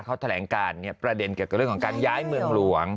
เขาแถลงการประเด็นเกี่ยวกับเรื่องของการย้ายเมืองหลวง